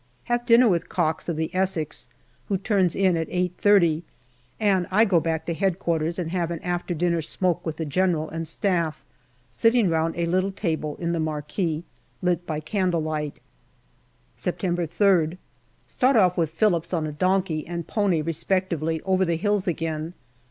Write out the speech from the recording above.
Have dinner with Cox, of the Essex, who turns in at 8.30, and I go back to Headquarters and have an after dinner smoke with the General and Staff, sitting round a little table in the marquee lit by candle light. September 3rd. Start off with Phillips on a donkey and pony respec tively over the hills again.